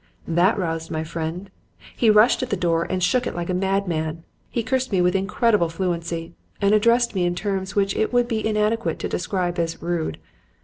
"That roused my friend. He rushed at the door and shook it like a madman; he cursed with incredible fluency and addressed me in terms which it would be inadequate to describe as rude.